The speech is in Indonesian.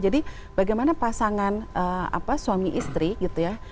jadi bagaimana pasangan suami istri gitu ya